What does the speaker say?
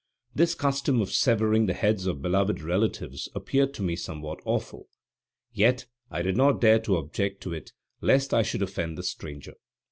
This custom of severing the heads of beloved relatives appeared to me somewhat awful, yet I did not dare to object to it lest I should offend the stranger.